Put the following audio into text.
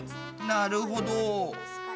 なるほど。